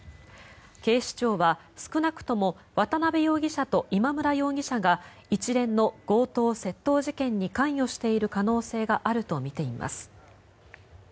警視庁は少なくとも渡邉容疑者と今村容疑者が一連の強盗・窃盗事件に関与している可能性があるとみています。